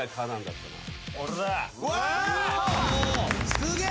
・すげえ！